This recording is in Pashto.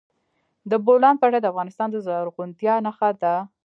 د بولان پټي د افغانستان د زرغونتیا نښه ده.